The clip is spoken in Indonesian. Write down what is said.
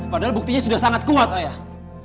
padahal buktinya sudah sangat kuat ayah